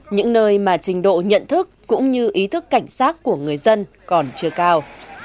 những nơi mà trình độ nhận thức cũng như ý thức cảnh sát của người dân còn chưa cao